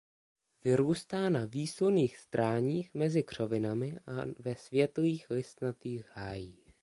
Vyrůstá na výslunných stráních mezi křovinami a ve světlých listnatých hájích.